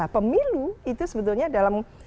pemilu itu sebetulnya dalam